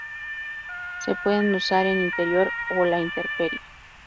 Se pueden usar en interior o a la intemperie.